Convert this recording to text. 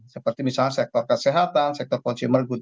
seperti misalnya sektor kesehatan sektor consumer good